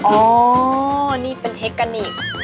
โอ้นี่เป็นก์เทกโกนิค